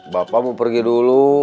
bapak mau pergi dulu